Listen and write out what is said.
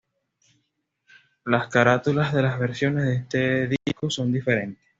Las carátulas de las versiones de este disco son diferentes.